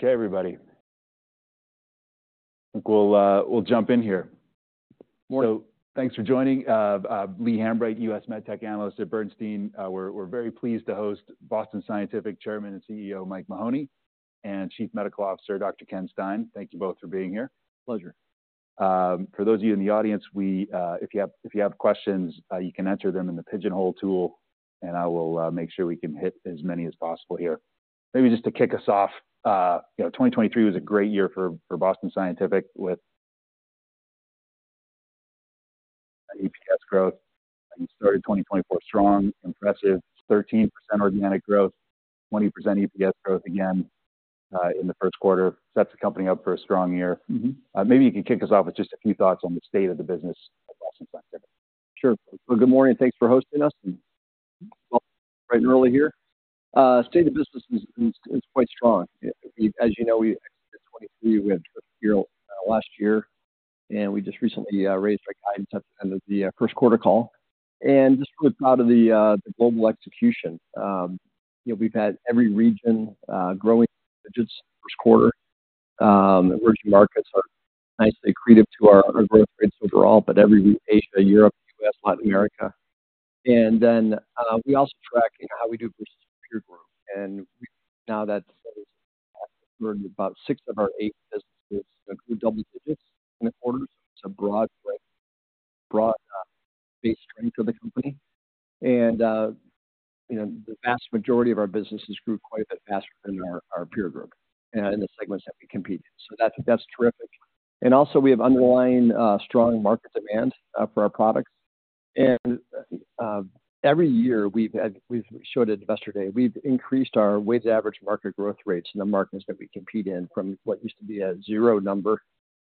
Okay, everybody. We'll jump in here. So thanks for joining, Lee Hambright, U.S. MedTech Analyst at Bernstein. We're very pleased to host Boston Scientific Chairman and CEO, Michael Mahoney, and Chief Medical Officer, Dr. Kenneth Stein. Thank you both for being here. Pleasure. For those of you in the audience, we, if you have questions, you can enter them in the Pigeonhole tool, and I will make sure we can hit as many as possible here. Maybe just to kick us off, you know, 2023 was a great year for Boston Scientific, with EPS growth, and you started 2024 strong. Impressive, 13% organic growth, 20% EPS growth again, in the Q1. Sets the company up for a strong year. Maybe you can kick us off with just a few thoughts on the state of the business at Boston Scientific. Sure. Well, good morning, and thanks for hosting us, and bright and early here. State of business is quite strong. As you know, we ended 2023, we had a good year last year, and we just recently raised our guidance at the end of the Q1 call. And just really proud of the global execution. You know, we've had every region growing digits Q1. Emerging markets are nicely accretive to our growth rates overall, but every week, Asia, Europe, U.S., Latin America. And then we also track, you know, how we do versus peer group. And now that is growing about 6 of our 8 businesses, double digits in the quarter. It's a broad base strength of the company. And, you know, the vast majority of our businesses grew quite a bit faster than our peer group in the segments that we compete in. So that's terrific. And also we have underlying strong market demand for our products. And, every year we've showed at Investor Day, we've increased our weighted average market growth rates in the markets that we compete in, from what used to be a 0 number,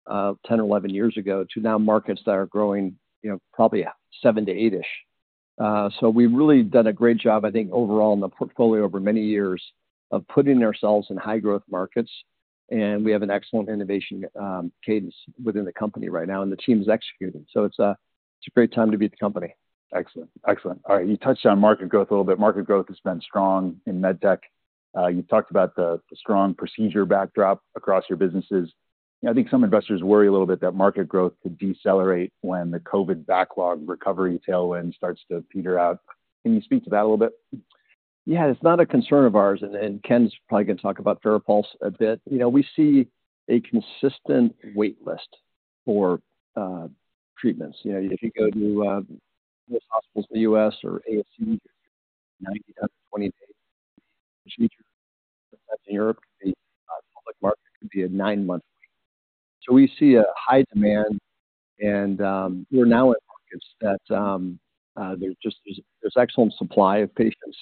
10 or 11 years ago, to now markets that are growing, you know, probably 7-8-ish. So we've really done a great job, I think, overall in the portfolio over many years, of putting ourselves in high growth markets, and we have an excellent innovation cadence within the company right now, and the team's executing. It's a great time to be at the company. Excellent. Excellent. All right, you touched on market growth a little bit. Market growth has been strong in MedTech. You talked about the strong procedure backdrop across your businesses. I think some investors worry a little bit that market growth could decelerate when the COVID backlog recovery tailwind starts to peter out. Can you speak to that a little bit? It's not a concern of ours, and Ken's probably going to talk about Farapulse a bit. You know, we see a consistent wait list for treatments. You know, if you go to most hospitals in the U.S. or ASC, 90-20 days. In Europe, a public market could be a 9-month wait. So we see a high demand and we're now in markets that there's just, there's excellent supply of patients,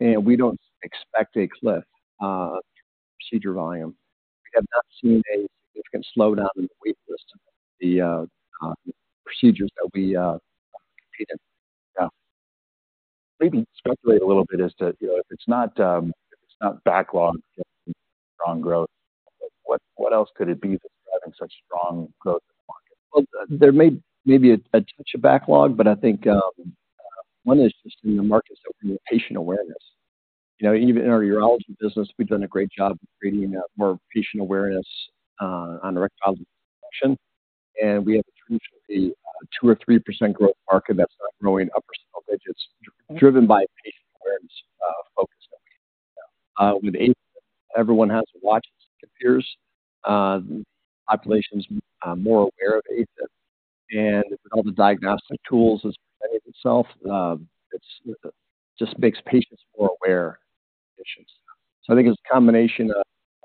and we don't expect a cliff procedure volume. We have not seen a significant slowdown in the wait list, the procedures that we compete in. Maybe speculate a little bit as to, you know, if it's not, if it's not backlog, strong growth, what, what else could it be that's driving such strong growth in the market? Well, there may be a touch of backlog, but I think one is just in the markets opening patient awareness. You know, even in our urology business, we've done a great job of creating more patient awareness on erectile dysfunction, and we have traditionally a 2%-3% growth market that's not growing upper single digits, driven by patient awareness focus. With AFib, everyone has to watch it appears population is more aware of AFib and all the diagnostic tools as itself. It's just makes patients more aware of issues. So I think it's a combination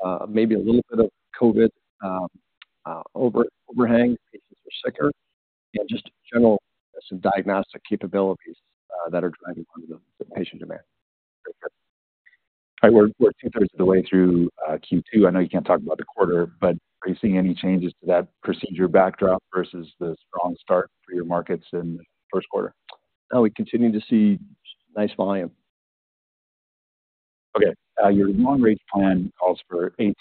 of maybe a little bit of COVID overhang. Patients are sicker and just general some diagnostic capabilities that are driving the patient demand. We're, we're two-thirds of the way through Q2. I know you can't talk about the quarter, but are you seeing any changes to that procedure backdrop versus the strong start for your markets in the Q1? No, we continue to see nice volume. Okay, your long range plan calls for 8%-10%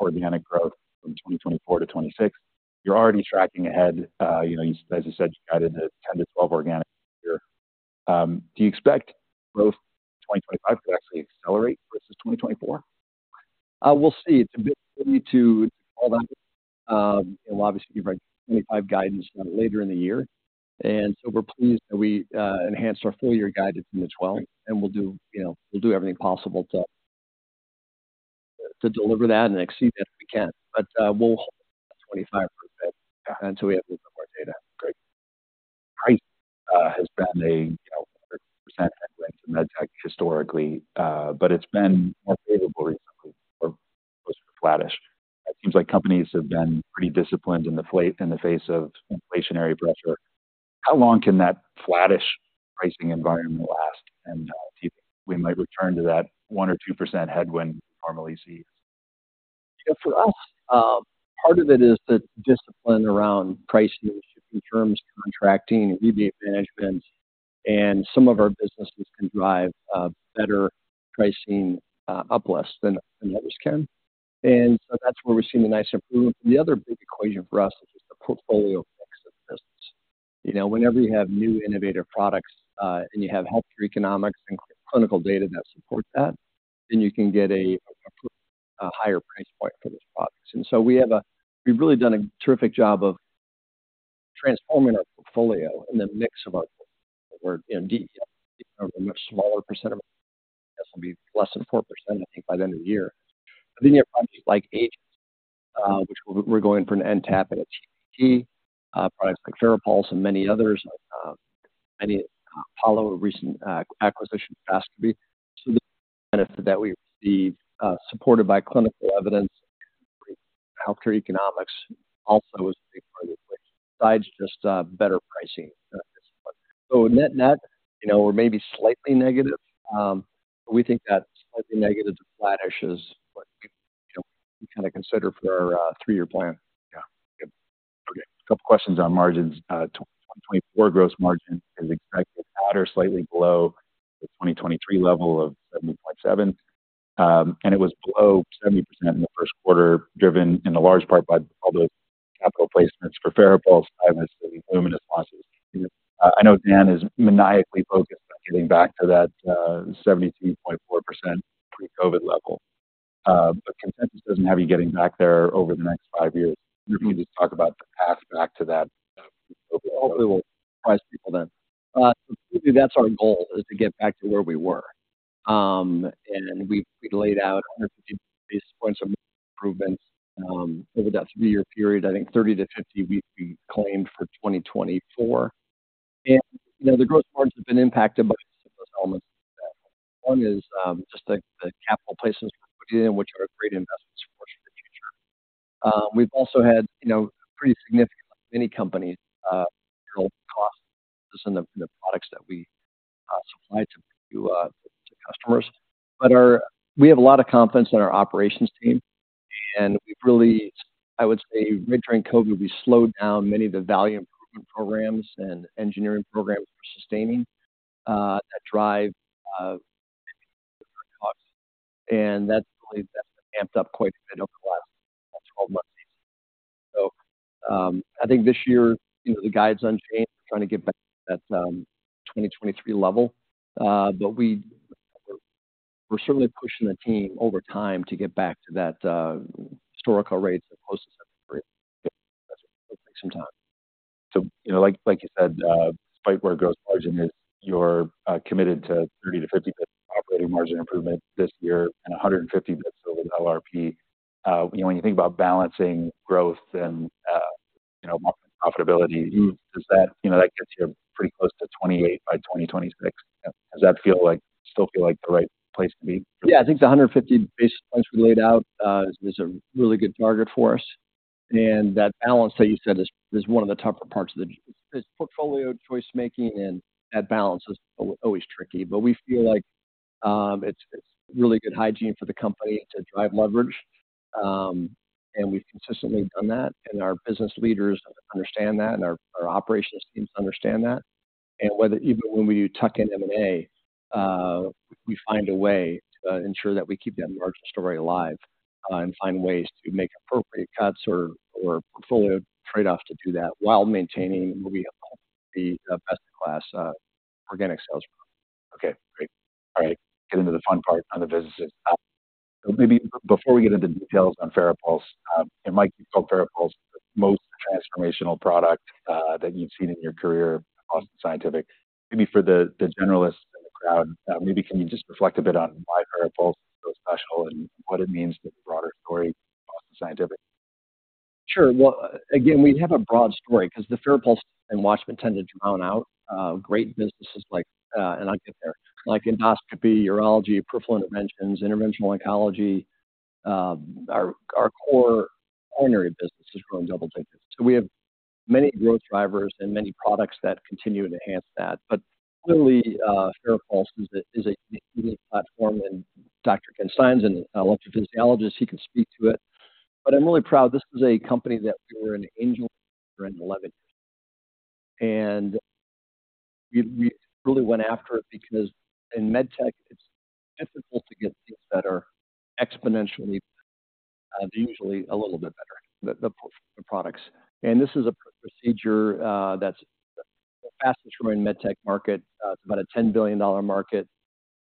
organic growth from 2024 to 2026. You're already tracking ahead. You know, as you said, you guided a 10%-12% organic year. Do you expect growth in 2025 to actually accelerate versus 2024? We'll see. It's a bit early to call that. Obviously, we write 2025 guidance later in the year, and so we're pleased that we enhanced our full year guidance in 2012. We'll do, you know, we'll do everything possible to deliver that and exceed it if we can. We'll 2025, and so we have more data. Great. Price has been a, you know, percent med tech historically, but it's been more favorable recently. Flattish. It seems like companies have been pretty disciplined in the face of inflationary pressure. How long can that flattish pricing environment last, and do you think we might return to that 1%-2% headwind we normally see? For us, part of it is the discipline around pricing, terms, contracting, and rebate management. And some of our businesses can drive better pricing uplift than others can. And so that's where we're seeing a nice improvement. The other big equation for us is just the portfolio mix of business. You know, whenever you have new innovative products and you have healthcare economics and clinical data that supports that, then you can get a higher price point for those products. And so we've really done a terrific job of transforming our portfolio and the mix of our work. And a much smaller percent of this will be less than 4%, I think, by the end of the year. But then you have products like Agent, which we're going for an NTAP and a TPT, products like Farapulse and many others, like Apollo, a recent acquisition, Astropy. So the benefit that we receive, supported by clinical evidence, healthcare economics also is a big part of it, besides just, better pricing. So net-net, you know, we're maybe slightly negative, but we think that slightly negative to flatish is what, you know, we consider for our, three-year plan. Okay. A couple questions on margins. 2024 gross margin is expected at or slightly below the 2023 level of 70.7%. It was below 70% in the Q1, driven in large part by all the capital placements for Farapulse, IVUS, and Lumenis lasers. I know Dan is maniacally focused on getting back to that, 72.4% pre-COVID level. Consensus doesn't have you getting back there over the next 5 years. Can you just talk about the path back to that? Hopefully, we'll surprise people then. That's our goal, is to get back to where we were. We laid out 150 basis points of improvements over that 3-year period. I think 30-50, we claimed for 2024. You know, the growth parts have been impacted by elements. One is just the capital places, which are great investments for us for the future. We've also had, you know, pretty significant mini companies costs in the products that we supply to customers. But we have a lot of confidence in our operations team, and we've really, I would say, mid-term COVID, we slowed down many of the value improvement programs and engineering programs for sustaining that drive costs. That's really, that's amped up quite a bit over the last 12 months. I think this year, you know, the guide's unchanged. We're trying to get back to that, 2023 level, but we're certainly pushing the team over time to get back to that, historical rates of close to 73. Take some time. So, you know, like, like you said, despite where gross margin is, you're committed to 30-50 operating margin improvement this year and 150 bps of LRP. When you think about balancing growth and, you know, profitability, does that, you know, that gets you pretty close to 28 by 2026. Does that feel like, still feel like the right place to be? I think the 150 basis points we laid out is a really good target for us. And that balance that you said is one of the tougher parts of the portfolio choice making, and that balance is always tricky, but we feel like it's really good hygiene for the company to drive leverage. And we've consistently done that, and our business leaders understand that, and our operations teams understand that. And whether even when we do tuck-in M&A, we find a way to ensure that we keep that margin story alive, and find ways to make appropriate cuts or portfolio trade-offs to do that while maintaining what we call the best-in-class organic sales. Okay, great. All right, get into the fun part on the businesses. Maybe before we get into details on Farapulse, it might be called Farapulse, the most transformational product that you've seen in your career, Boston Scientific. Maybe for the generalists in the crowd, maybe can you just reflect a bit on why Farapulse is so special and what it means to the broader story, Boston Scientific? Sure. Well, again, we have a broad story because the Farapulse and Watchman tend to drown out great businesses like, and I'll get there. Like endoscopy, urology, peripheral interventions, interventional oncology. Our core coronary business is growing double digits. So we have many growth drivers and many products that continue to enhance that. But clearly, Farapulse is a unique platform, and Dr. Ken Stein's an electrophysiologist, he can speak to it. But I'm really proud. This is a company that we were an angel in 2011, and we really went after it because in med tech, it's difficult to get things that are exponentially usually a little bit better, the products. And this is a procedure that's the fastest growing med tech market. It's about a $10 billion market.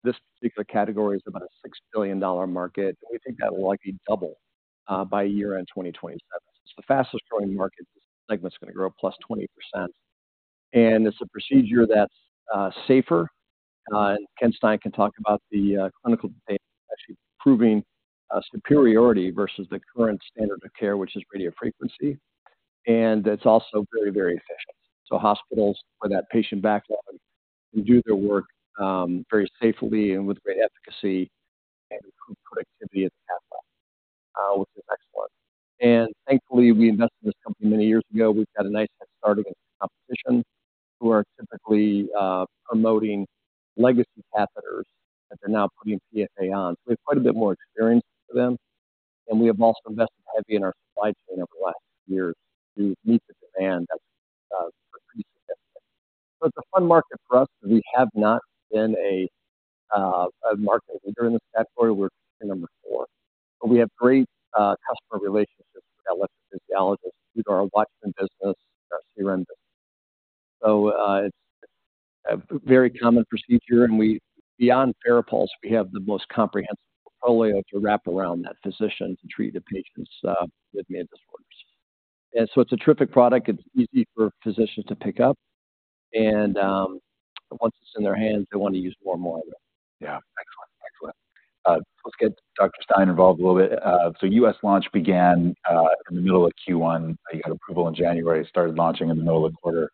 This particular category is about a $6 billion market, and we think that will likely double by year-end in 2027. It's the fastest growing market. This segment is going to grow +20%, and it's a procedure that's safer. Ken Stein can talk about the clinical data, actually proving superiority versus the current standard of care, which is radiofrequency. And it's also very, very efficient. So hospitals want that patient back often, and do their work very safely and with great efficacy and improve productivity at the halfway, which is excellent. And thankfully, we invested in this company many years ago. We've got a nice head start against the competition, who are typically promoting legacy catheters that they're now putting PFA on. We have quite a bit more experience for them, and we have also invested heavily in our supply chain over the last years to meet the demand that increasing. ...So it's a fun market for us. We have not been a market leader in this category. We're number 4, but we have great customer relationships with electrophysiologists through our Watchman business, second. So, it's a very common procedure, and, beyond Farapulse, we have the most comprehensive portfolio to wrap around that physician to treat the patients with disorders. And so it's a terrific product. It's easy for physicians to pick up, and, once it's in their hands, they want to use more and more of it. Excellent. Let's get Dr. Stein involved a little bit. So U.S. launch began in the middle of Q1. You had approval in January, started launching in the middle of the quarter.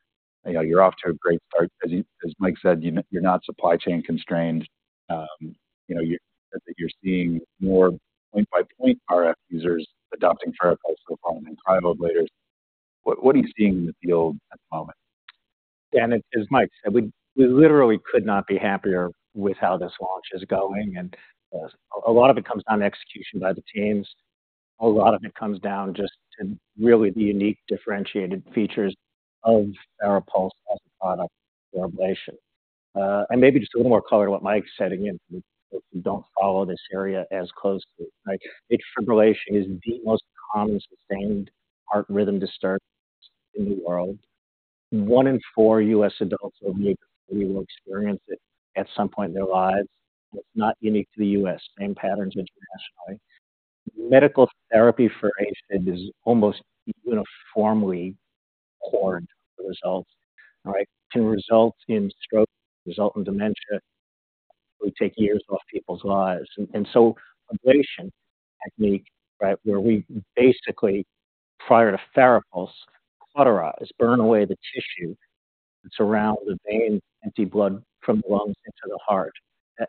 You know, you're off to a great start. As you, as Mike said, you're not supply chain constrained. You know, you're seeing more point-by-point RF users adopting Farapulse so far than cryoablators. What, what are you seeing in the field at the moment? As Mike said, we literally could not be happier with how this launch is going, and a lot of it comes down to execution by the teams. A lot of it comes down just to really the unique, differentiated features of Farapulse as a product for ablation. Maybe just a little more color on what Mike said. Again, if you don't follow this area as closely, right? Atrial fibrillation is the most common sustained heart rhythm disturbance in the world. 1 in 4 U.S. adults over 50 will experience it at some point in their lives. It's not unique to the U.S. Same patterns internationally. Medical therapy for AFib is almost uniformly poor results, right? Can result in stroke, result in dementia. We take years off people's lives. And so ablation technique, right, where we basically, prior to Farapulse, cauterize, burn away the tissue that's around the vein, empty blood from the lungs into the heart.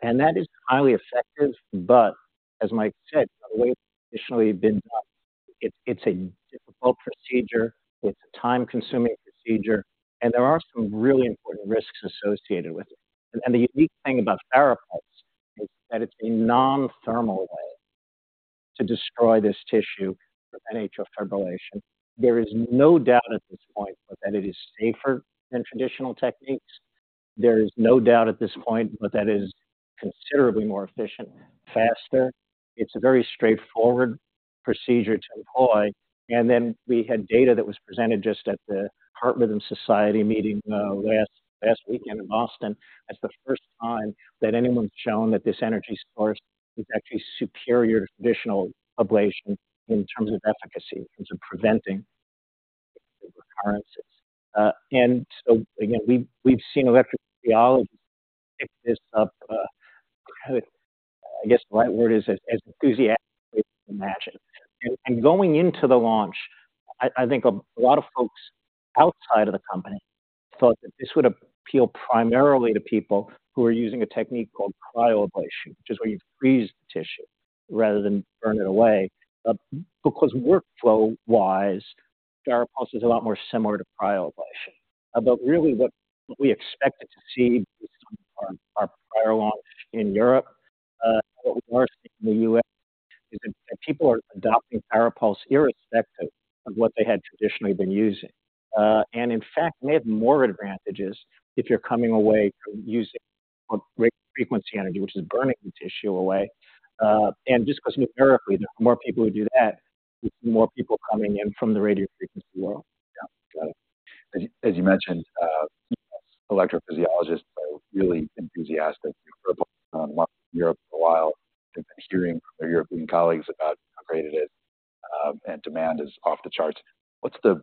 And that is highly effective. But as Mike said, the way it's traditionally been done, it's a difficult procedure, it's a time-consuming procedure, and there are some really important risks associated with it. And the unique thing about Farapulse is that it's a non-thermal way to destroy this tissue of atrial fibrillation. There is no doubt at this point that it is safer than traditional techniques. There is no doubt at this point that that is considerably more efficient, faster. It's a very straightforward procedure to employ. And then we had data that was presented just at the Heart Rhythm Society meeting last weekend in Boston. That's the first time that anyone's shown that this energy source is actually superior to traditional ablation in terms of efficacy, in terms of preventing recurrences. And so again, we've seen electrophysiologists pick this up, I guess the right word is, as enthusiastically as you can imagine. And going into the launch, I think a lot of folks outside of the company thought that this would appeal primarily to people who are using a technique called cryoablation, which is where you freeze the tissue rather than burn it away. Because workflow-wise, Farapulse is a lot more similar to cryoablation. But really, what we expected to see on our prior launch in Europe, what we are seeing in the U.S. is that people are adopting Farapulse irrespective of what they had traditionally been using. And in fact, may have more advantages if you're coming away from using radiofrequency energy, which is burning the tissue away. And just because numerically, more people who do that, more people coming in from the radiofrequency world. Got it. As you mentioned, electrophysiologists are really enthusiastic about Europe for a while. They've been hearing from their European colleagues about how great it is, and demand is off the charts. What's the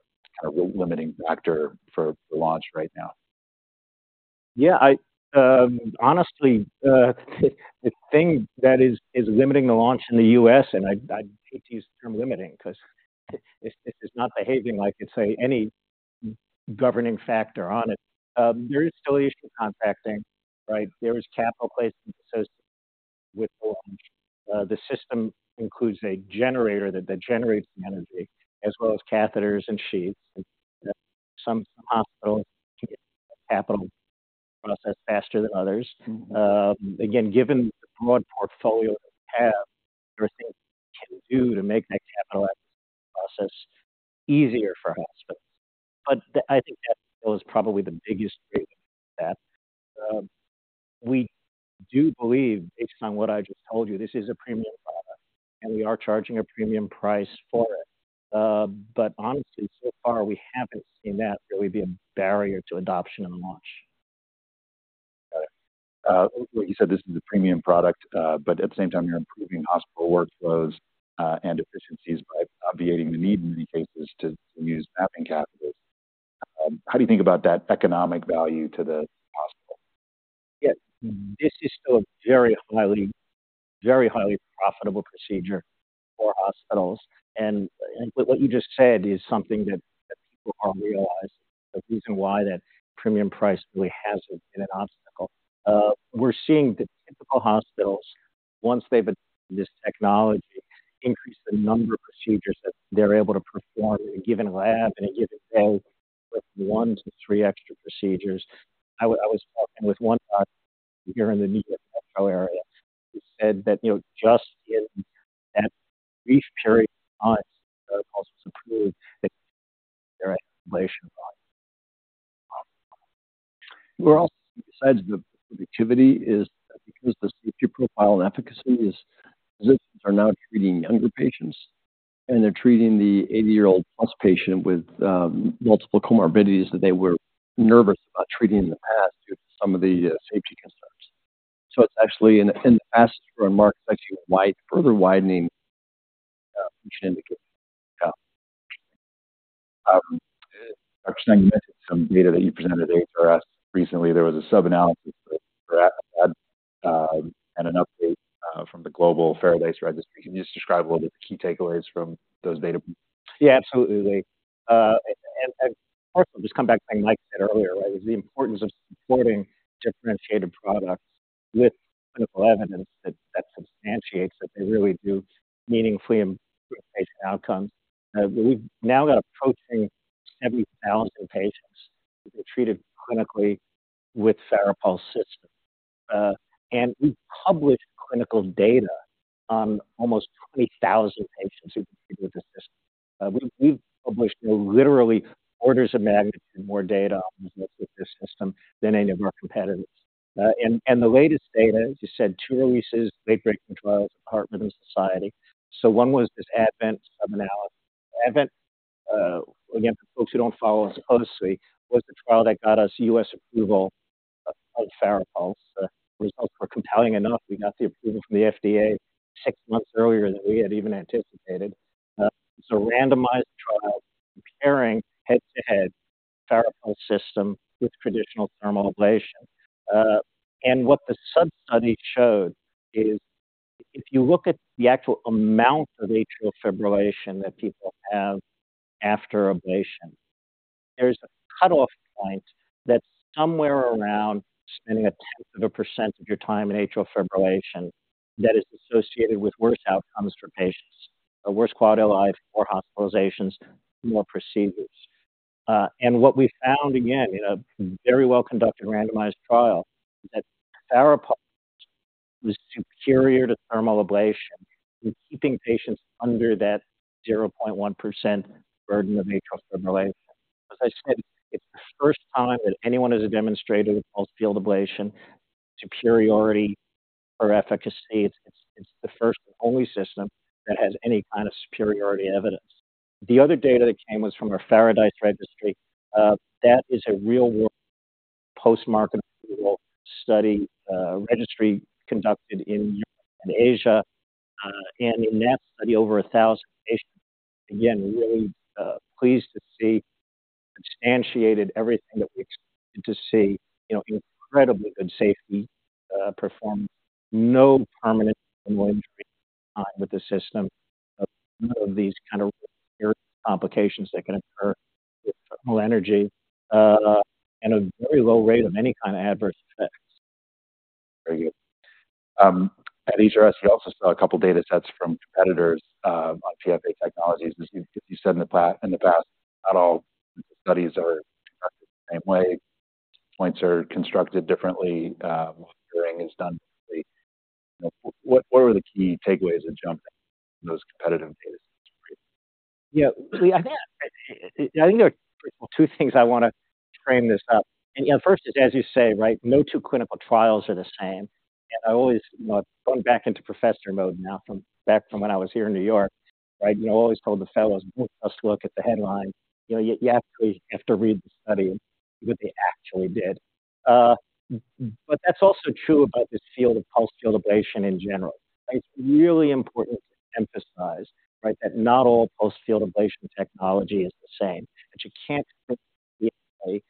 limiting factor for launch right now? I honestly, the thing that is limiting the launch in the U.S., and I hate to use the term limiting, because it's not behaving like it's any governing factor on it. There is still issue with contracting, right? There is capital placement associated with the launch. The system includes a generator that generates the energy, as well as catheters and sheaths. Some hospitals capital process faster than others. Again, given the broad portfolio we have, there are things we can do to make that capital process easier for us. But I think that is probably the biggest that. We do believe, based on what I just told you, this is a premium product, and we are charging a premium price for it. But honestly, so far, we haven't seen that really be a barrier to adoption and launch. Got it. What you said, this is a premium product, but at the same time, you're improving hospital workflows, and efficiencies by obviating the need in many cases to use mapping catheters. How do you think about that economic value to the hospital? This is still a very highly, very highly profitable procedure for hospitals. And what you just said is something that people are realizing. The reason why that premium price really hasn't been an obstacle. We're seeing the typical hospitals, once they've this technology, increase the number of procedures that they're able to perform in a given lab, in a given day, with 1-3 extra procedures. I was talking with one doctor here in the New York Metro area said that, you know, just in that brief period of time, also approved their ablation. We're also, besides the productivity is because the safety profile and efficacy is physicians are now treating younger patients, and they're treating the 80-year-old plus patient with multiple comorbidities that they were nervous about treating in the past due to some of the safety concerns. It's actually in the ask for a mark, it's actually wide, further widening, which indicate. Dr. Stein mentioned some data that you presented at HRS recently. There was a sub-analysis and an update from the global FARAPULSE registry. Can you just describe what are the key takeaways from those data? Absolutely. And also just come back to what Mike said earlier, right? The importance of supporting differentiated products with clinical evidence that substantiates that they really do meaningfully improve patient outcomes. We've now got approaching 70,000 patients treated clinically with Farapulse system. And we've published clinical data on almost 20,000 patients who've been treated with the system. We've published literally orders of magnitude more data with this system than any of our competitors. And the latest data, as you said, two releases, big breaking trials, Heart Rhythm Society. So one was this ADVENT analysis. ADVENT, again, for folks who don't follow us closely, was the trial that got us U.S. approval of Farapulse. The results were compelling enough. We got the approval from the FDA six months earlier than we had even anticipated. So, randomized trial, comparing head-to-head Farapulse system with traditional thermal ablation. And what the sub-study showed is if you look at the actual amount of atrial fibrillation that people have after ablation, there's a cutoff point that's somewhere around spending 0.1% of your time in atrial fibrillation that is associated with worse outcomes for patients, a worse quality of life, more hospitalizations, more procedures. And what we found, again, in a very well-conducted, randomized trial, that Farapulse was superior to thermal ablation in keeping patients under that 0.1% burden of atrial fibrillation. As I said, it's the first time that anyone has demonstrated a pulse field ablation, superiority or efficacy. It's the first and only system that has any superiority evidence. The other data that came was from our Faradise registry. That is a real-world post-market approval study, registry conducted in Europe and Asia. And in that study, over 1,000 patients, again, really pleased to see substantiated everything that we expected to see. You know, incredibly good safety performed. No permanent injury with the system, none of these complications that can occur with thermal energy, and a very low rate of any adverse effects. Very good. At HRS, we also saw a couple of data sets from competitors on PFA technologies. As you said in the past, in the past, not all studies are conducted the same way. Points are constructed differently, monitoring is done differently. What were the key takeaways of jumping those competitive data? I think there are two things I want to frame this up. You know, first is, as you say, right, no two clinical trials are the same. I always, you know, going back into professor mode now, from back when I was here in New York, right? You know, I always told the fellows, "Let's look at the headline." You know, you actually have to read the study, what they actually did. But that's also true about this field of pulse field ablation in general. It's really important to emphasize, right, that not all pulse field ablation technology is the same, that you can't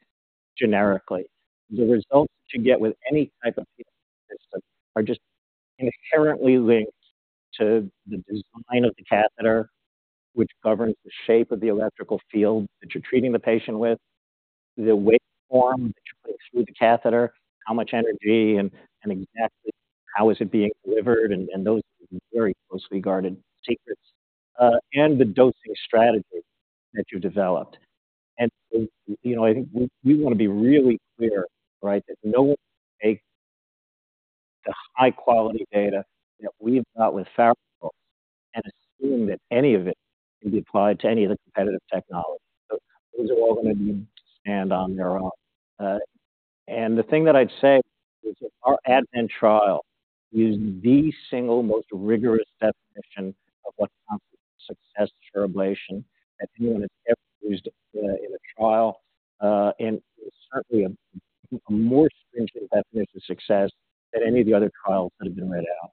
generically. The results you get with any type of system are just inherently linked to the design of the catheter, which governs the shape of the electrical field that you're treating the patient with, the waveform that you put through the catheter, how much energy and exactly how is it being delivered, and those are very closely guarded secrets, and the dosing strategy that you developed. And, you know, I think we want to be really clear, right, that no one take the high-quality data that we've got with Farapulse and assume that any of it can be applied to any of the competitive technologies. So those are all going to need to stand on their own. The thing that I'd say is that our ADVENT trial is the single most rigorous definition of what constitutes success for ablation that anyone has ever used in a trial, and certainly a more stringent definition of success than any of the other trials that have been laid out.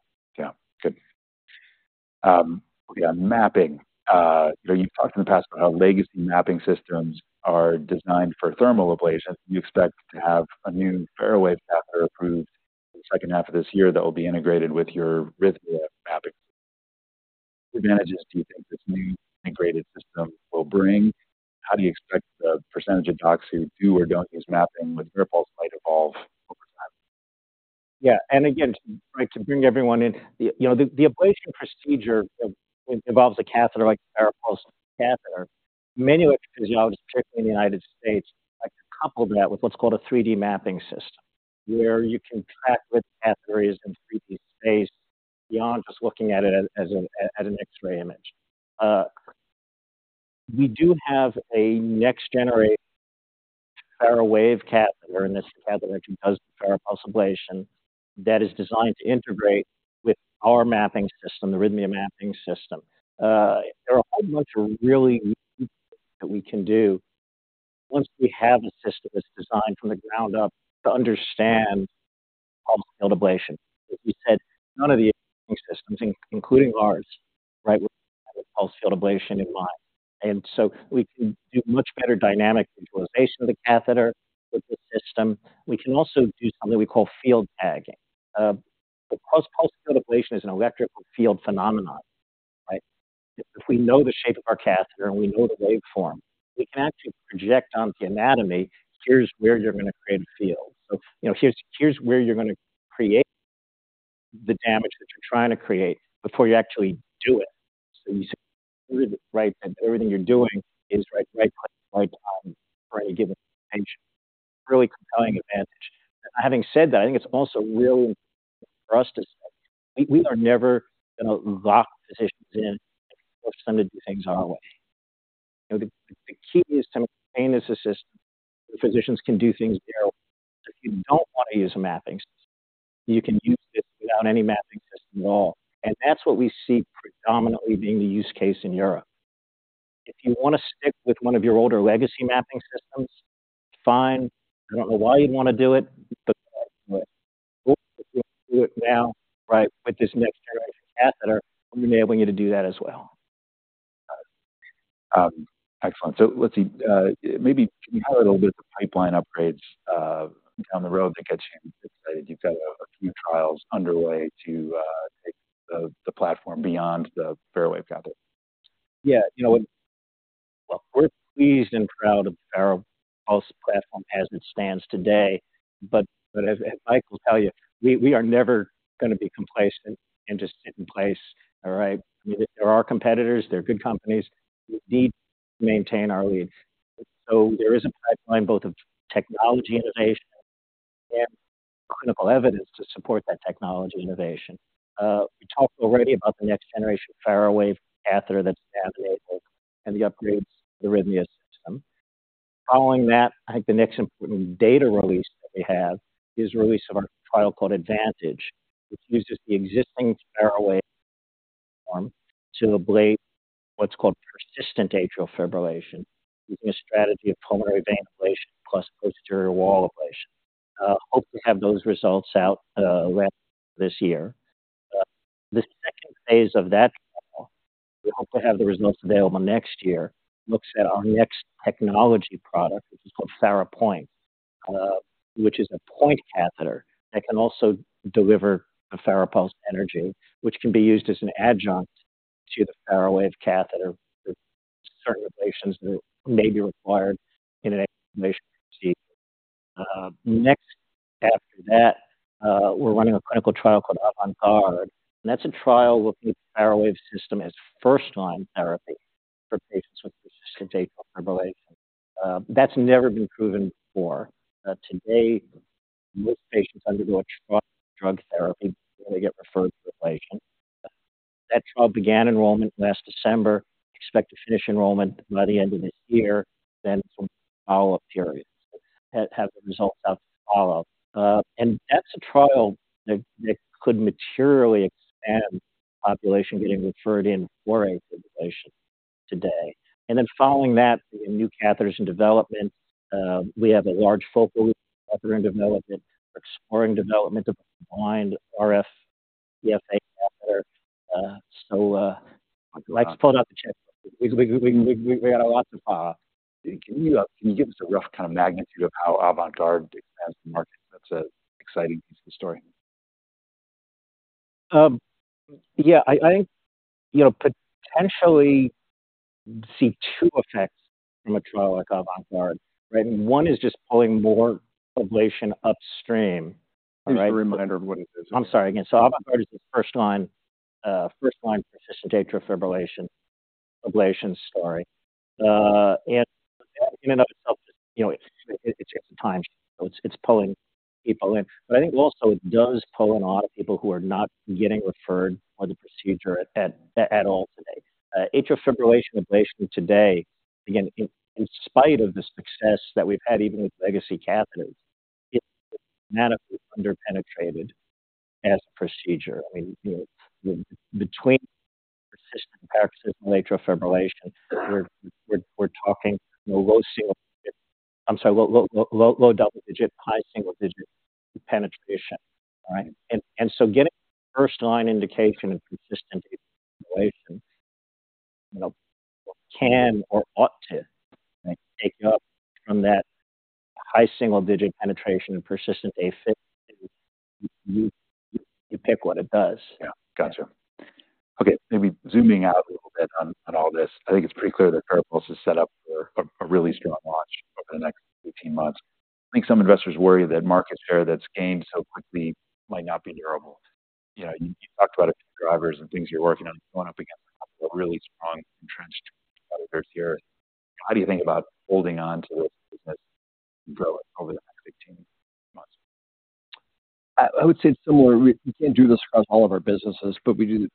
Good mapping. You've talked in the past about how legacy mapping systems are designed for thermal ablation. You expect to have a new Farapulse catheter approved in the H2 of this year that will be integrated with your arrhythmia mapping. What advantages do you think this new integrated system will bring? How do you expect the percentage of docs who do or don't use mapping with your pulse might evolve over time? Again, right, to bring everyone in, you know, the ablation procedure involves a catheter like the Farapulse catheter. Many electrophysiologists, you know, strictly in the United States coupled that with what's called a 3D mapping system, where you can track catheters in 3D space beyond just looking at it as an X-ray image. We do have a next generation Farawave catheter, and this catheter can cause Farapulse that is designed to integrate with our mapping system, the arrhythmia mapping system. There are a whole bunch of really that we can do once we have a system that's designed from the ground up to understand pulsed field ablation. As we said, none of the existing systems, including ours, right, were pulsed field ablation in mind. So we can do much better dynamic visualization of the catheter with the system. We can also do something we call field tagging. Because pulse field ablation is an electrical field phenomenon, right? If we know the shape of our catheter and we know the waveform, we can actually project onto the anatomy, here's where you're going to create a field. So, you know, here's where you're going to create the damage that you're trying to create before you actually do it. So you see, right, that everything you're doing is right, right, like, for any given patient. Really compelling advantage. Having said that, I think it's also really for us to say, we are never going to lock physicians in or send things our way. The key is to maintain this system. Physicians can do things better. If you don't want to use a mapping system, you can use this without any mapping system at all. That's what we see predominantly being the use case in Europe. If you want to stick with one of your older legacy mapping systems, fine. I don't know why you'd want to do it, but do it now, right? With this next generation catheter, we'll be enabling you to do that as well. Excellent. So let's see, maybe can you talk a little bit the pipeline upgrades, on the road that gets you excited? You've got a few trials underway to take the platform beyond the Farapulse catheter. You know what? We're pleased and proud of our portfolio as it stands today, but, but as Mike will tell you, we, we are never going to be complacent and just sit in place, all right? There are competitors, they're good companies. We need to maintain our lead. So there is a pipeline both of technology innovation and clinical evidence to support that technology innovation. We talked already about the next generation FARAPULSE catheter that's navigable and the upgrades, the RHYTHMIA system. Following that, I think the next important data release that we have is release of our trial called Advantage, which uses the existing FARAPULSE form to ablate what's called persistent atrial fibrillation, using a strategy of pulmonary vein ablation plus posterior wall ablation. Hopefully have those results out this year. The second phase of that trial, we hope to have the results available next year, looks at our next technology product, which is called FARAPOINT, which is a point catheter that can also deliver the FARAPULSE energy, which can be used as an adjunct to the FARAWAVE catheter for certain lesions that may be required in an interventional procedure. Next after that, we're running a clinical trial called AVANT GUARD, and that's a trial looking at the FARAWAVE system as first line therapy for patients with persistent atrial fibrillation. That's never been proven before. Today, most patients undergo a trial drug therapy, they get referred to ablation. That trial began enrollment last December, expect to finish enrollment by the end of this year, then some follow-up period, have the results out follow. And that's a trial that could materially expand population getting referred in for a fibrillation today. And then following that, new catheters in development, we have a large focal length catheter in development. We're exploring development of blind RF CFA catheter. Like to pull it out the chest. We got lots of, Can you give us a rough magnitude of how Avant Guard expands the market? That's an exciting piece of the story. I think, you know, potentially see two effects from a trial like Avant Guard, right? One is just pulling more ablation upstream. Just a reminder of what it is. I'm sorry. Again, so Avant Guard is the first line persistent atrial fibrillation ablation story. And even though, you know, it's just in time, it's pulling people in. But I think also it does pull in a lot of people who are not getting referred for the procedure at all today. Atrial fibrillation ablation today, again, in spite of the success that we've had, even with legacy catheters, it's dramatically under-penetrated as a procedure. I mean, you know, between persistent paroxysmal atrial fibrillation, we're talking low single digit—I'm sorry, low double digit, high single digit penetration, right? And so getting first line indication and consistent isolation, you know, can or ought to take up from that high single digit penetration and persistent AFib. You pick what it does. Got you. Maybe zooming out a little bit on all this, I think it's pretty clear that Farapulse is set up for a really strong launch over the next 18 months. I think some investors worry that market share that's gained so quickly might not be durable. You know, you talked about a few drivers and things you're working on going up against a really strong entrenched competitors here. How do you think about holding on to this business and grow it over the next 18 months? I would say similar. We can't do this across all of our businesses, but we do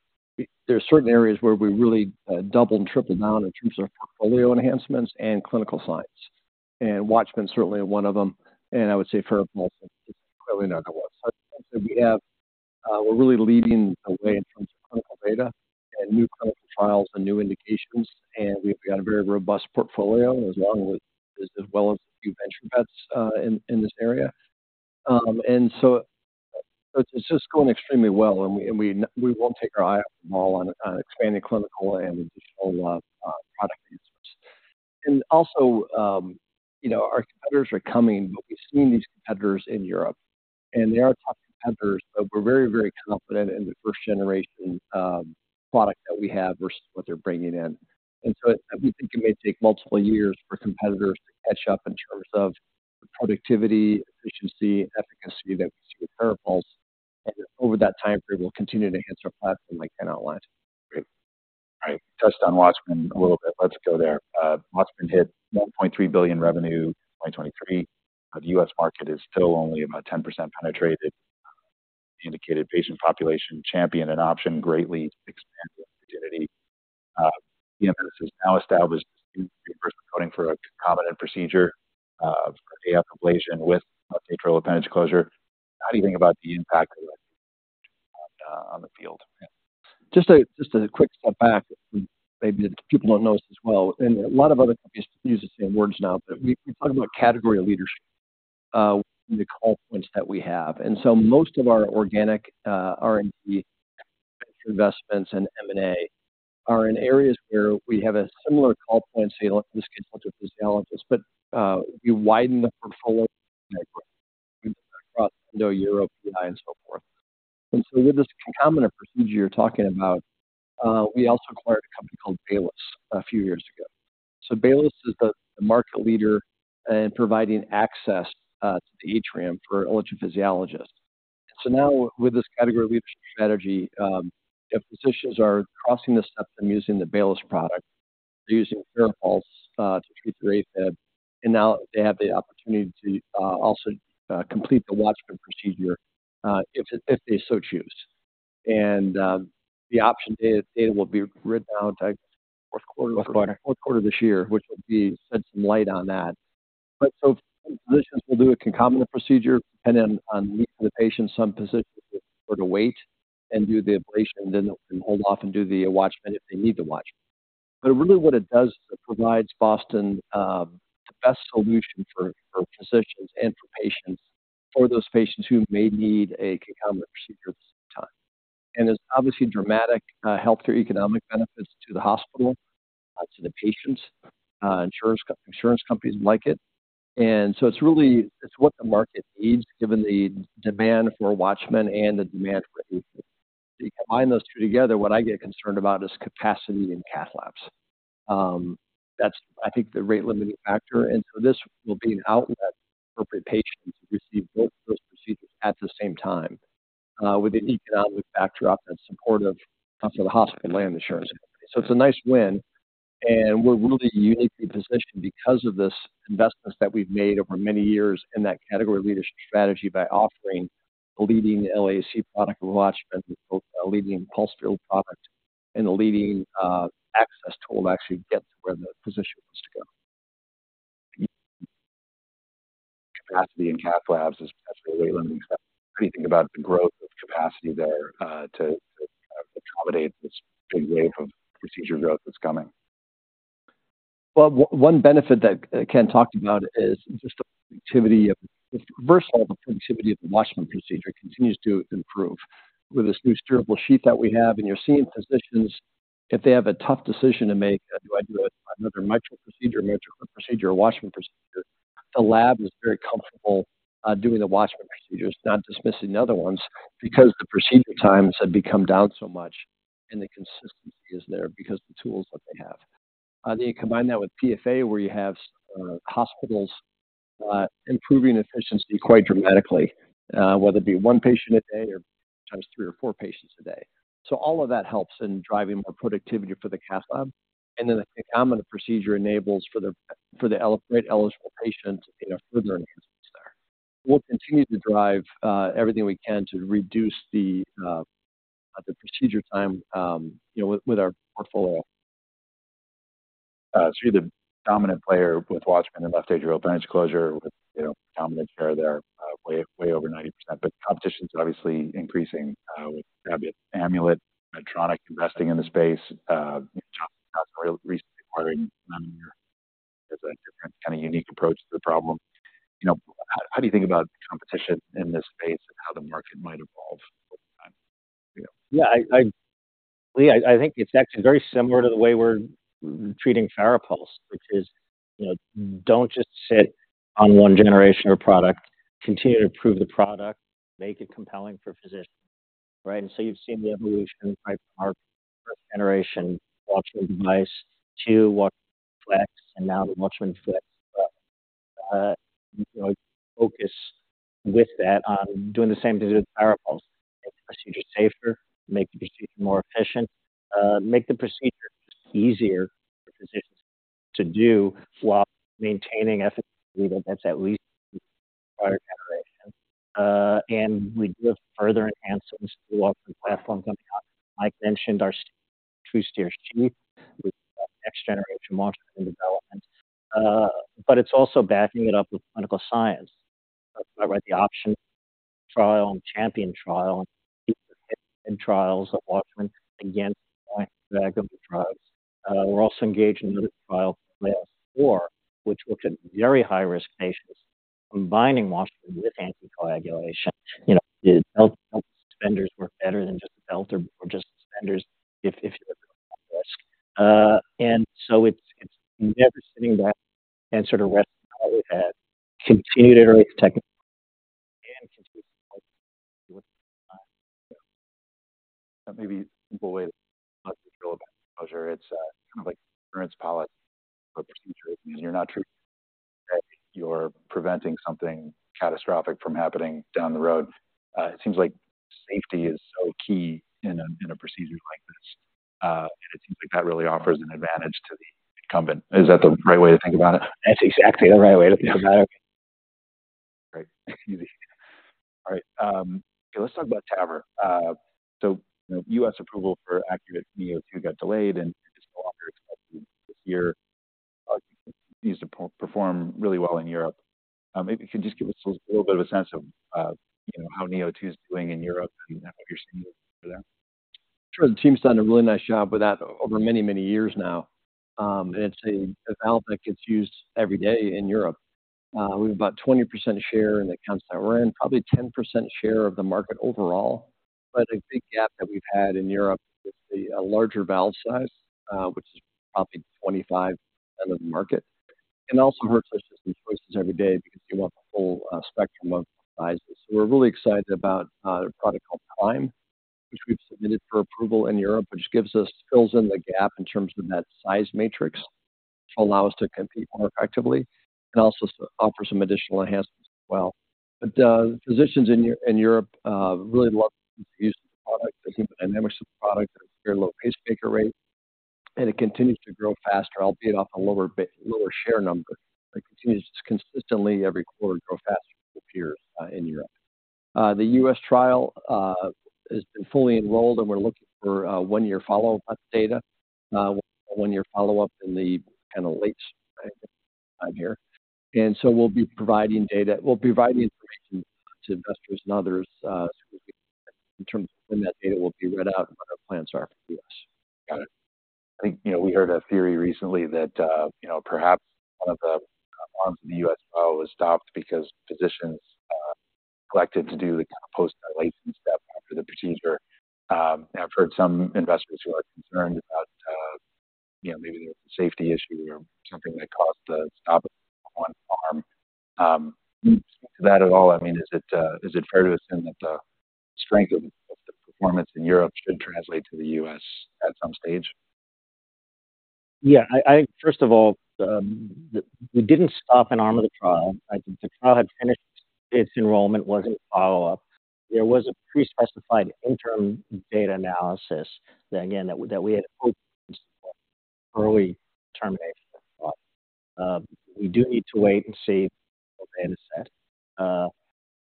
there are certain areas where we really double and triple down in terms of portfolio enhancements and clinical science. And Watchman's certainly one of them, and I would say for most, clearly number one. So we have, we're really leading the way in terms of clinical data and new clinical trials and new indications, and we've got a very robust portfolio, along with, as well as a few venture bets in this area. And so it's just going extremely well, and we won't take our eye off the ball on expanding clinical and additional product answers. Also, you know, our competitors are coming, but we've seen these competitors in Europe, and they are top competitors, so we're very, very confident in the first generation, product that we have versus what they're bringing in. So we think it may take multiple years for competitors to catch up in terms of productivity, efficiency, and efficacy that we see with Farapulse. Over that time period, we'll continue to enhance our platform, like I outlined. Great. I touched on Watchman a little bit. Let's go there. Watchman hit $1.3 billion revenue in 2023, but the U.S. market is still only about 10% penetrated indicated patient population champion an option greatly expanding opportunity. You know, this is now established coding for a concomitant procedure, AF ablation with an atrial appendage closure. How do you think about the impact of that on the field? Just a quick step back. Maybe people don't know this as well, and a lot of other companies use the same words now, but we talk about category leadership, the call points that we have. So most of our organic R&D investments and M&A are in areas where we have a similar call point, say, in this case, with an electrophysiologist. But we widen the portfolio across Europe, and so forth. So with this concomitant procedure you're talking about, we also acquired a company called Baylis a few years ago. Baylis is the market leader in providing access to the atrium for electrophysiologists. So now with this category leadership strategy, if physicians are crossing this up and using the Baylis product, they're using clear pulse to treat their AFib, and now they have the opportunity to also complete the Watchman procedure, if they so choose. The option data will be written down to Q4- Q4. Q4 of this year, which would be shed some light on that. But so physicians will do a concomitant procedure, depending on the needs of the patient. Some physicians prefer to wait and do the ablation, then they can hold off and do the Watchman if they need to Watchman. But really what it does, is it provides Boston the best solution for, for physicians and for patients, for those patients who may need a concomitant procedure at the same time. And there's obviously dramatic healthcare economic benefits to the hospital, to the patients. Insurance, insurance companies like it. And so it's really... It's what the market needs, given the demand for Watchman and the demand for it. You combine those two together, what I get concerned about is capacity in cath labs. That's, I think, the rate limiting factor, and so this will be an outlet for patients to receive both those procedures at the same time, with the economic backdrop that's supportive of the hospital and the insurance. So it's a nice win, and we're really uniquely positioned because of this investments that we've made over many years in that category leadership strategy by offering a leading LAC product, WATCHMAN, a leading pulse field product, and a leading access tool to actually get to where the physician wants to go. Capacity in cath labs is definitely learning. How do you think about the growth of capacity there, to accommodate this big wave of procedure growth that's coming? Well, one benefit that Ken talked about is just the productivity of the reversal of the productivity of the Watchman procedure continues to improve. With this new steerable sheath that we have, and you're seeing physicians, if they have a tough decision to make, do I do another mitral procedure or Watchman procedure? The lab is very comfortable doing the Watchman procedures, not dismissing the other ones, because the procedure times have come down so much, and the consistency is there because the tools that they have. Then you combine that with PFA, where you have hospitals improving efficiency quite dramatically, whether it be one patient a day or times 3 or 4 patients a day. So all of that helps in driving more productivity for the cath lab. And then the concomitant procedure enables for the eligible patient, you know, further enhancements there. We'll continue to drive everything we can to reduce the procedure time, you know, with our portfolio. So you're the dominant player with Watchman and left atrial appendage closure with, you know, dominant share there, way, way over 90%. But competition is obviously increasing, with Abbott, Amulet, Medtronic investing in the space, recently acquiring a unique approach to the problem. You know, how, how do you think about competition in this space and how the market might evolve over time? I think it's actually very similar to the way we're treating Farapulse, which is, you know, don't just sit on one generation or product. Continue to improve the product, make it compelling for physicians, right? And so you've seen the evolution of our first-generation Watchman device to Watchman Flex, and now the Watchman FLX. You know, focus with that on doing the same thing with the Farapulse, make the procedure safer, make the procedure more efficient, make the procedure easier for physicians to do while maintaining efficacy that's at least prior generation. And we do have further enhancements to the platform coming up. As mentioned, our TruSteer team, with next-generation monitoring development. But it's also backing it up with clinical science, right? The OPTION trial and CHAMPION trial and trials of Watchman against bag of the drugs. We're also engaged in another trial, trial four, which looks at very high-risk patients, combining Watchman with anticoagulation. You know, the belt extenders work better than just a belt or just extenders if you're at risk. And so it's never sitting back and resting our head, continued iterative tech- Maybe simple way to feel about closure. It's like parents palette procedure, because you're not treating, you're preventing something catastrophic from happening down the road. It seems like safety is so key in a procedure like this, and it seems like that really offers an advantage to the incumbent. Is that the right way to think about it? That's exactly the right way to think about it. Great. All right, let's talk about TAVR. So, you know, U.S. approval for ACURATE neo2 got delayed and is no longer expected this year. Used to perform really well in Europe. Maybe you could just give us a little bit of a sense of, you know, how neo2 is doing in Europe and what you're seeing there. Sure. The team's done a really nice job with that over many, many years now. And it's a valve that gets used every day in Europe. We have about 20% share in the accounts that we're in, probably 10% share of the market overall. But a big gap that we've had in Europe is the larger valve size, which is probably 25% of the market, and also hurts us choices every day because you want the whole spectrum of sizes. So we're really excited about a product called Prime, which we've submitted for approval in Europe, which fills in the gap in terms of that size matrix, allow us to compete more effectively and also offer some additional enhancements as well. But physicians in Europe really love to use the product. The hemodynamics of the product are very low pacemaker rate, and it continues to grow faster, albeit off a lower lower share number. It continues to consistently, every quarter, grow faster than years in Europe. The U.S. trial has been fully enrolled, and we're looking for one-year follow-up data in the late here. And so we'll be providing data. We'll be providing information to investors and others in terms of when that data will be read out and what our plans are for U.S. Got it. I think, you know, we heard a theory recently that, you know, perhaps one of the arms of the U.S. trial was stopped because physicians, neglected to do the post license step after the procedure. And I've heard some investors who are concerned about, you know, maybe there's a safety issue or something that caused the stop one arm. To that at all, I mean, is it, is it fair to assume that the strength of the performance in Europe should translate to the U.S. at some stage? First of all, we didn't stop an arm of the trial. Like, the trial had finished its enrollment, was in follow-up. There was a pre-specified interim data analysis that, again, that we had early termination. We do need to wait and see the data set.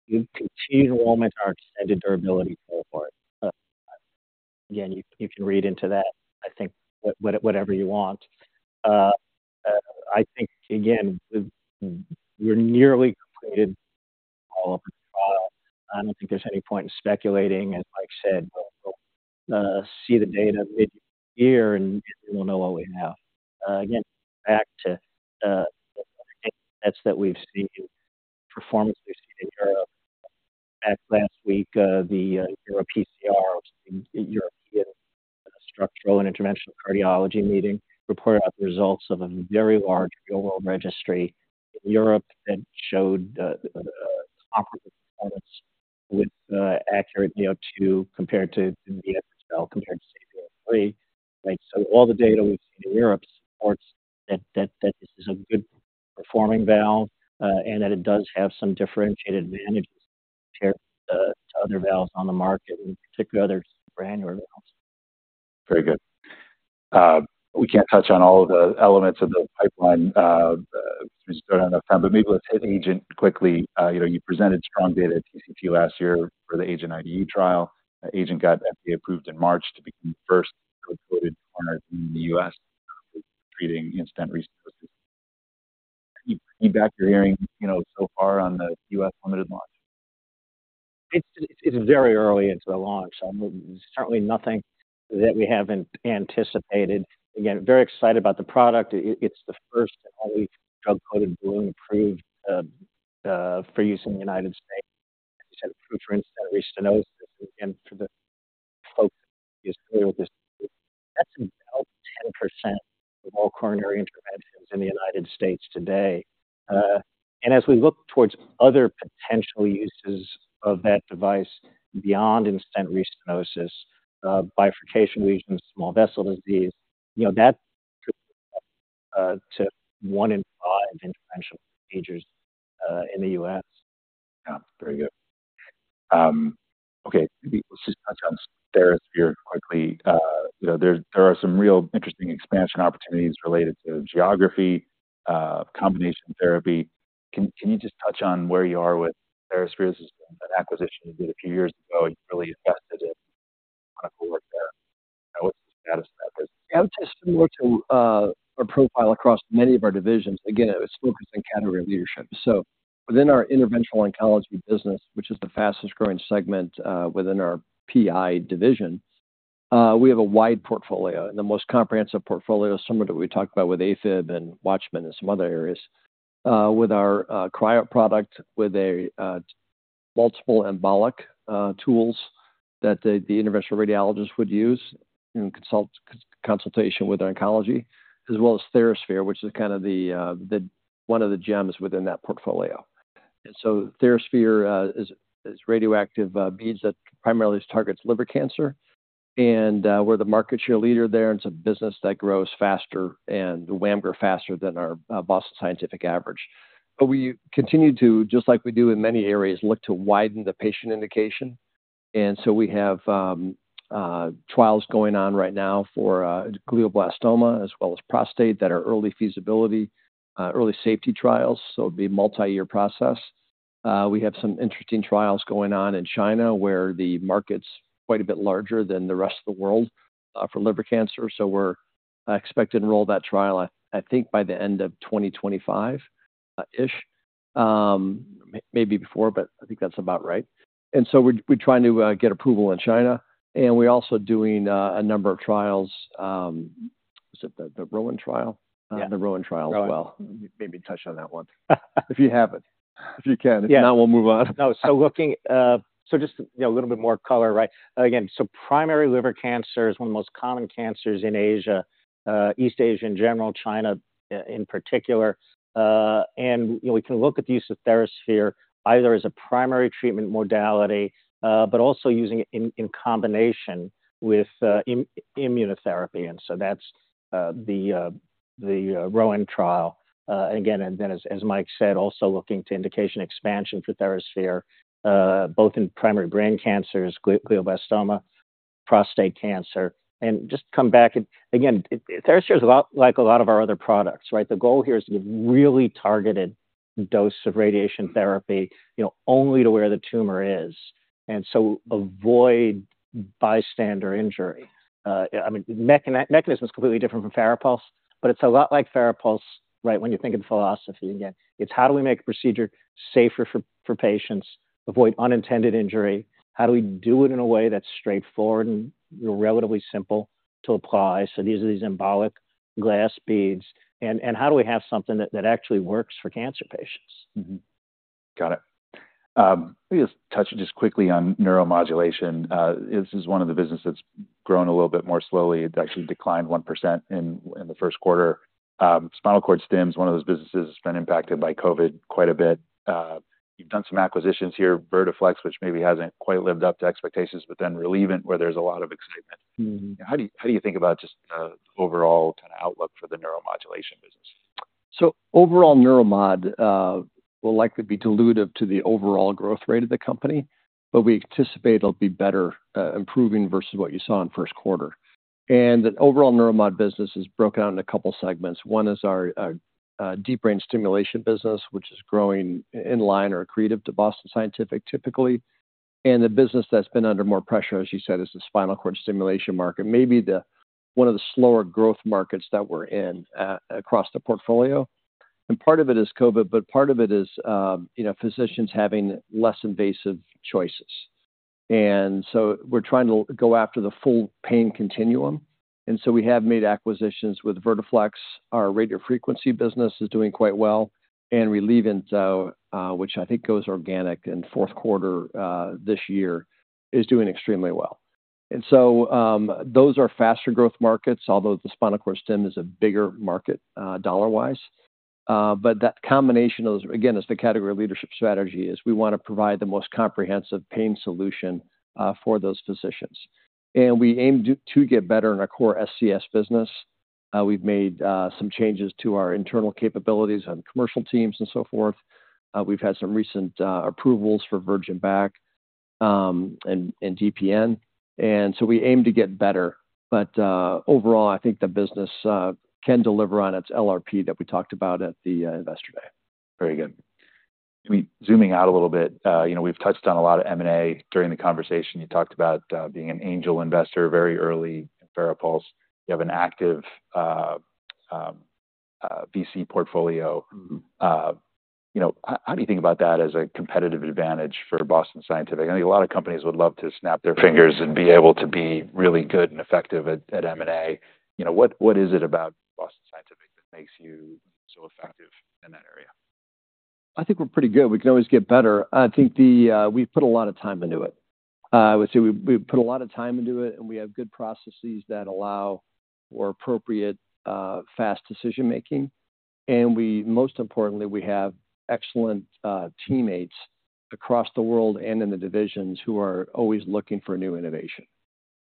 We've continued enrollment, our extended durability portfolio. Again, you can read into that, I think, whatever you want. I think, again, we're nearly completed all of the trial. I don't think there's any point in speculating, and like I said, we'll see the data mid-year, and we'll know what we have. Again, back to that's that we've seen in performance, we've seen in Europe. Last week at the EuroPCR, European Structural and Interventional Cardiology meeting, reported out the results of a very large real-world registry in Europe that showed operative performance with ACURATE neo2 compared to the XXL, compared to CPL 3. Right, so all the data we've seen in Europe supports that this is a good performing valve, and that it does have some differentiated advantages compared to other valves on the market, in particular other brand new valves. Very good. We can't touch on all of the elements of the pipeline, but maybe let's hit Agent quickly. You know, you presented strong data at TCT last year for the Agent IDE trial. Agent got FDA approved in March to become the first drug-coated balloon in the U.S., treating in-stent restenosis. Feedback you're hearing, you know, so far on the U.S. limited launch? It's very early into the launch. There's certainly nothing that we haven't anticipated. Again, very excited about the product. It's the first and only drug-coated balloon approved for use in the United States. Approved for in-stent restenosis, and for the folks who is familiar with this, that's about 10% of all coronary interventions in the United States today. And as we look towards other potential uses of that device beyond in-stent restenosis bifurcation regions, small vessel disease, you know, that, to 1 in 5 interventional procedures, in the U.S. Very good. Okay, maybe we'll just touch on TheraSphere quickly. You know, there are some real interesting expansion opportunities related to geography, combination therapy. Can you just touch on where you are with TheraSphere as an acquisition you did a few years ago and really invested in a lot of work there? What's the status of that business? Similar to our profile across many of our divisions, again, it was focused on category leadership. So within our interventional oncology business, which is the fastest growing segment, within our PI division, we have a wide portfolio and the most comprehensive portfolio, similar to what we talked about with Afib and Watchman and some other areas. With our cryo product, with a multiple embolic tools that the interventional radiologist would use in consultation with oncology, as well as therosphere, which is the one of the gems within that portfolio. And so therosphere is radioactive beads that primarily targets liver cancer, and we're the market share leader there, and it's a business that grows faster and WAMGR faster than our Boston Scientific average. But we continue to, just like we do in many areas, look to widen the patient indication. And so we have trials going on right now for glioblastoma as well as prostate, that are early feasibility early safety trials, so it'll be a multi-year process. We have some interesting trials going on in China, where the market's quite a bit larger than the rest of the world for liver cancer. So we're expected to enroll that trial, I think, by the end of 2025, ish. Maybe before, but I think that's about right. And so we're trying to get approval in China, and we're also doing a number of trials, is it the Rowan trial? The Rowan trial as well. Maybe touch on that one. If you have it, if you can, if not, we'll move on. No. So just, you know, a little bit more color, right? Again, so primary liver cancer is one of the most common cancers in Asia, East Asia in general, China in particular. You know, we can look at the use of TheraSphere, either as a primary treatment modality, but also using it in combination with immunotherapy. So that's the Rowan trial. Again, as Mike said, also looking to indication expansion for TheraSphere, both in primary brain cancers, glioblastoma, prostate cancer. Just to come back, again, TheraSphere is a lot like a lot of our other products, right? The goal here is to give really targeted dose of radiation therapy, you know, only to where the tumor is, and so avoid bystander injury. I mean, mechanism is completely different from Farapulse, but it's a lot like Farapulse, right? When you think of the philosophy, again, it's how do we make procedure safer for patients, avoid unintended injury? How do we do it in a way that's straightforward and relatively simple to apply? So these are the symbolic glass beads, and how do we have something that actually works for cancer patients? Got it. Let me just touch quickly on neuromodulation. This is one of the businesses that's grown a little bit more slowly. It's actually declined 1% in the Q1. Spinal cord stim is one of those businesses that's been impacted by COVID quite a bit. You've done some acquisitions here, Vertiflex, which maybe hasn't quite lived up to expectations, but then ReLEEV, where there's a lot of excitement. How do you think about just the overall outlook for the neuromodulation business? So overall, neuromod will likely be dilutive to the overall growth rate of the company, but we anticipate it'll be better, improving versus what you saw in Q1. And the overall neuromod business is broken out into a couple segments. One is our deep brain stimulation business, which is growing in line or accretive to Boston Scientific, typically. And the business that's been under more pressure, as you said, is the spinal cord stimulation market. Maybe the one of the slower growth markets that we're in across the portfolio, and part of it is COVID, but part of it is, you know, physicians having less invasive choices. And so we're trying to go after the full pain continuum, and so we have made acquisitions with Vertiflex. Our radiofrequency business is doing quite well, and ReLEEV, which I think goes organic in Q4 this year, is doing extremely well. And so, those are faster growth markets, although the spinal cord stim is a bigger market, dollar-wise. But that combination of, again, is the category leadership strategy, is we wanna provide the most comprehensive pain solution, for those physicians. And we aim to get better in our core SCS business. We've made some changes to our internal capabilities on commercial teams and so forth. We've had some recent approvals for virgin back, and DPN, and so we aim to get better. But overall, I think the business can deliver on its LRP that we talked about at the Investor Day. Very good. Zooming out a little bit, you know, we've touched on a lot of M&A during the conversation. You talked about being an angel investor very early in Farapulse. You have an active VC portfolio. How do you think about that as a competitive advantage for Boston Scientific? I think a lot of companies would love to snap their fingers and be able to be really good and effective at, at M&A. You know, what, what is it about Boston Scientific that makes you so effective in that area? I think we're pretty good. We can always get better. I think the, we've put a lot of time into it. I would say we've put a lot of time into it, and we have good processes that allow for appropriate fast decision-making. Most importantly, we have excellent teammates across the world and in the divisions who are always looking for new innovation.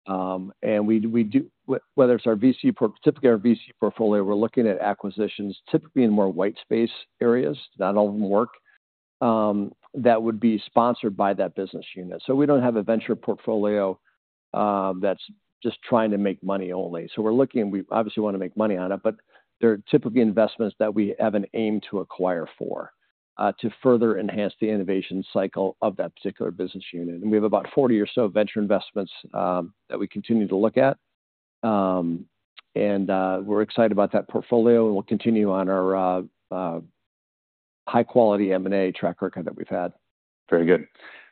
And we do whether it's our VC portfolio. Typically, we're looking at acquisitions typically in more white space areas, not all of them work, that would be sponsored by that business unit. So we don't have a venture portfolio that's just trying to make money only. So we're looking. We obviously wanna make money on it, but they're typically investments that we have an aim to acquire for to further enhance the innovation cycle of that particular business unit. And we have about 40 or so venture investments that we continue to look at. We're excited about that portfolio, and we'll continue on our high-quality M&A track record that we've had. Very good.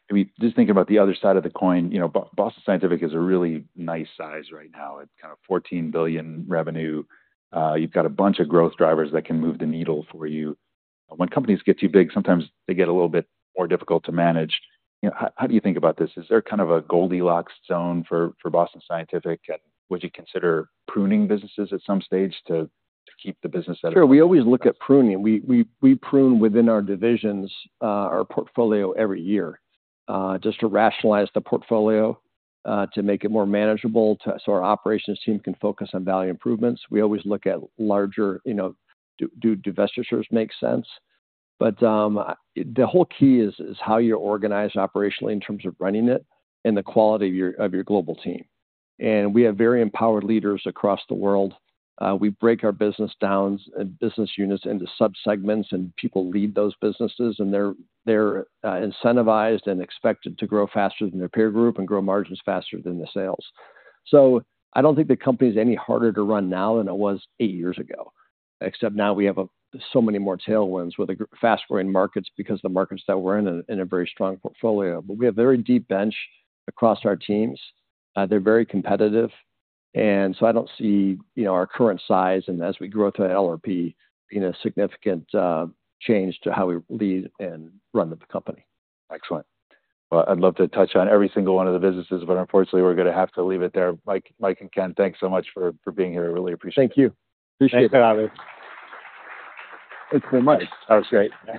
I mean, just thinking about the other side of the coin, you know, Boston Scientific is a really nice size right now. It's $14 billion revenue. You've got a bunch of growth drivers that can move the needle for you. When companies get too big, sometimes they get a little bit more difficult to manage. You know, how do you think about this? Is there a Goldilocks zone for Boston Scientific, and would you consider pruning businesses at some stage to keep the business at? Sure, we always look at pruning. We prune within our divisions, our portfolio every year, just to rationalize the portfolio, to make it more manageable, to... So our operations team can focus on value improvements. We always look at larger, you know, do divestitures make sense? But, the whole key is how you're organized operationally in terms of running it and the quality of your global team. And we have very empowered leaders across the world. We break our business downs, business units into subsegments, and people lead those businesses, and they're incentivized and expected to grow faster than their peer group and grow margins faster than the sales. So I don't think the company is any harder to run now than it was eight years ago, except now we have so many more tailwinds with the fast-growing markets because the markets that we're in are in a very strong portfolio. But we have very deep bench across our teams. They're very competitive, and so I don't see, you know, our current size and as we grow through LRP, in a significant change to how we lead and run the company. Excellent. Well, I'd love to touch on every single one of the businesses, but unfortunately, we're gonna have to leave it there. Mike, Mike and Ken, thanks so much for, for being here. I really appreciate it. Thank you. Appreciate it. Thanks for having us. Thanks so much. That was great. Thanks.